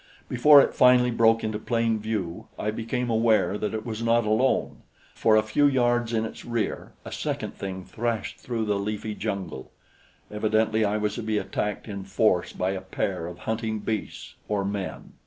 Before it finally broke into plain view, I became aware that it was not alone, for a few yards in its rear a second thing thrashed through the leafy jungle. Evidently I was to be attacked in force by a pair of hunting beasts or men.